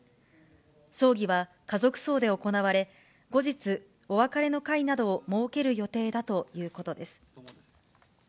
葬儀は家族葬で行われ、後日、お別れの会などを設ける予定だということです。